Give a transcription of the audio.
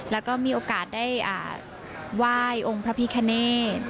แล้วก็มีโอกาสได้ไหว้องค์พระพิคเนต